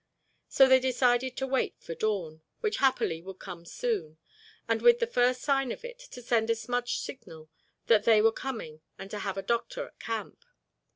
So they decided to wait for dawn, which happily would come soon, and with the first sign of it to send a smudge signal that they were coming and to have a doctor at camp.